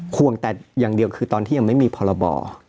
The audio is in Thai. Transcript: ห่วงแต่อย่างเดียวคือตอนที่ยังไม่มีพรบ